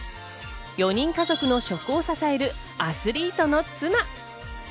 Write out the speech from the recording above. ４人家族の食を支えるアスリートの妻。